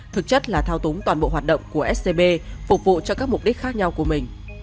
thực chất là thao túng toàn bộ hoạt động của scb phục vụ cho các mục đích khác nhau của mình